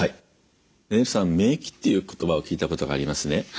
ねるさん免疫っていう言葉を聞いたことがありますね？